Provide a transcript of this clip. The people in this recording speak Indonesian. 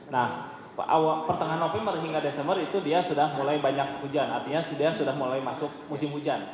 nah pertengahan november hingga desember itu dia sudah mulai banyak hujan artinya dia sudah mulai masuk musim hujan